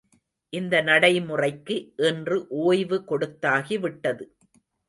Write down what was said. இந்த நடைமுறைக்கு இன்று ஓய்வு கொடுத்தாகி விட்டது.